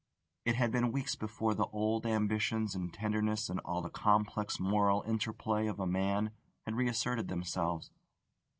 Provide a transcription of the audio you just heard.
It had been weeks before the old ambitions and tendernesses and all the complex moral interplay of a man had reasserted themselves.